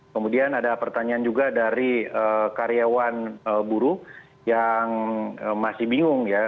kemudian ada pertanyaan juga dari karyawan buru yang masih bingung ya